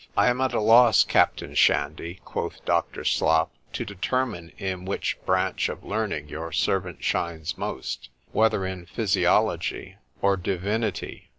I am at a loss, Captain Shandy, quoth Doctor Slop, to determine in which branch of learning your servant shines most, whether in physiology or divinity.